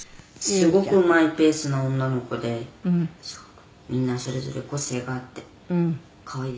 「すごくマイペースな女の子でみんなそれぞれ個性があって可愛いです」